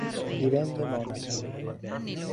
Divenne monaca.